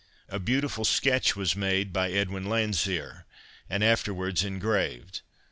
A beautiful sketch was made by Edwin Landseer, and afterwards engraved.